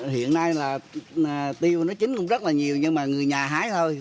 hiện nay là tiêu nó chín cũng rất là nhiều nhưng mà người nhà hái thôi